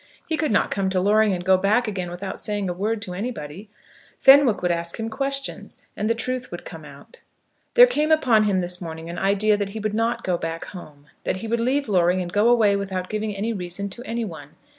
He could not come to Loring and go back again without saying a word to anybody. Fenwick would ask him questions, and the truth would come out. There came upon him this morning an idea that he would not go back home; that he would leave Loring and go away without giving any reason to any one.